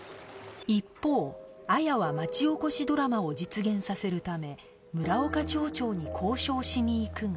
一方彩は町おこしドラマを実現させるため村岡町長に交渉しに行くが